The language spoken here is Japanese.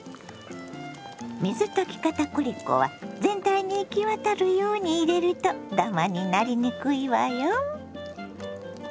水溶き片栗粉は全体に行き渡るように入れるとダマになりにくいわよ。